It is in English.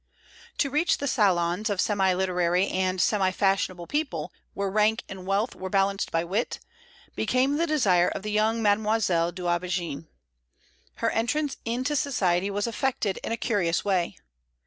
To reach the salons of semi literary and semi fashionable people, where rank and wealth were balanced by wit, became the desire of the young Mademoiselle d'Aubigné. Her entrance into society was effected in a curious way.